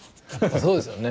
そうですよね。